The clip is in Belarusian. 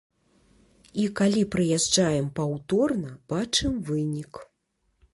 І калі прыязджаем паўторна, бачым вынік.